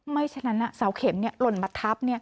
ฉะนั้นเสาเข็มหล่นมาทับ